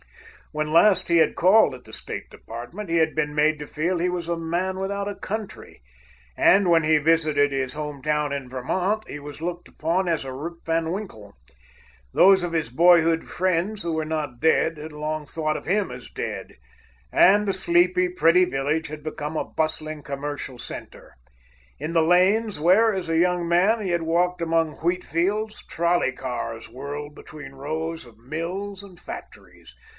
When last he had called at the State Department, he had been made to feel he was a man without a country, and when he visited his home town in Vermont, he was looked upon as a Rip Van Winkle. Those of his boyhood friends who were not dead had long thought of him as dead. And the sleepy, pretty village had become a bustling commercial centre. In the lanes where, as a young man, he had walked among wheatfields, trolley cars whirled between rows of mills and factories.